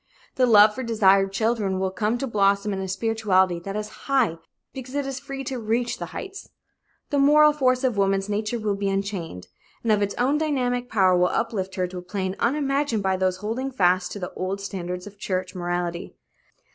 The love for desired children will come to blossom in a spirituality that is high because it is free to reach the heights. The moral force of woman's nature will be unchained and of its own dynamic power will uplift her to a plane unimagined by those holding fast to the old standards of church morality.